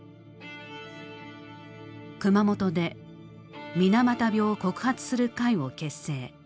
熊本で水俣病を告発する会を結成。